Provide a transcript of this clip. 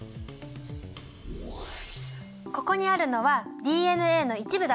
ここにあるのはＤＮＡの一部だと思ってね。